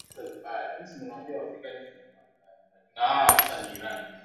Panthera onca ya mwisho bora matumaini Hakuna